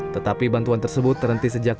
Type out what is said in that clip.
tetapi bantuan tersebut terhenti sejak tahun dua ribu